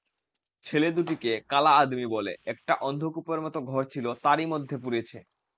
ছেলে-দুটিকে কালা আদমী বলে, একটা অন্ধকূপের মত ঘর ছিল, তারই মধ্যে পুরেছে।